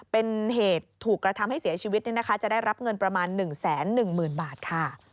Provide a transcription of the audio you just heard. เป็นเหตุถูกกระทำให้เสียชีวิตเนี่ยนะคะจะได้รับเงินประมาณหนึ่งแสนหนึ่งหมื่นบาทค่ะ